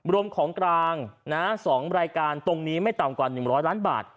รวมของกลางนะฮะสองรายการตรงนี้ไม่ต่ำกว่าหนึ่งร้อยล้านบาท